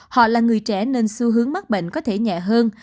họ là người trẻ nên xu hướng mắc bệnh có thể nhẹ hơn